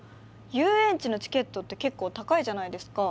遊園地のチケットって結構高いじゃないですか？